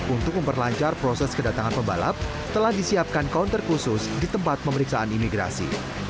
untuk memperlancar proses kedatangan pembalap telah disiapkan counter khusus di tempat pemeriksaan imigrasi